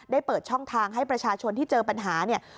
เปิดช่องทางให้ประชาชนที่เจอปัญหาเนี่ย